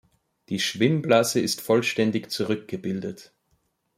Die Schwimmblase ist vollständig zurückgebildet.